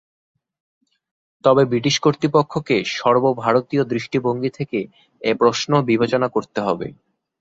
তবে ব্রিটিশ কর্তৃপক্ষকে সর্বভারতীয় দৃষ্টিভঙ্গি থেকে এ প্রশ্ন বিবেচনা করতে হবে।